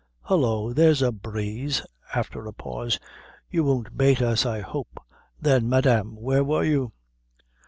"Hollo! there's a breeze!" After a pause, "You won't bate us, I hope. Then, madame, where were you?"